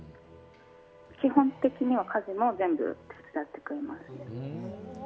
基本的には家事も全部やってくれます。